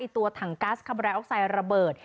ตัวถังกัสคาแบรออกไซด์ระเบิด